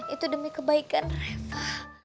itu demi kebaikan reva